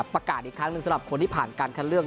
ประกาศอีกครั้งหนึ่งสำหรับคนที่ผ่านการคัดเลือก